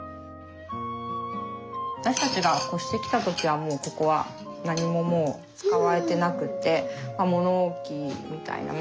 私たちが越してきた時はもうここは何ももう使われてなくて物置みたいな前の方のね。